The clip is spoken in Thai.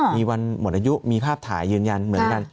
มีวันหมดอายุมีภาพถ่ายยืนยันเหมือนกัน